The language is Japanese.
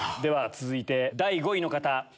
続いて第５位の方。